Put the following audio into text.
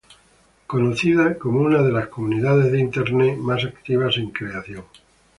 es conocido como una de las comunidades de internet más activas en creación